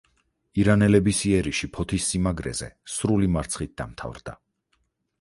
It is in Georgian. ირანელების იერიში ფოთის სიმაგრეზე სრული მარცხით დამთავრდა.